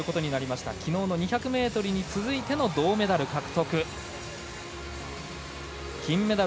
きのうの２００ｍに続いての銅メダル。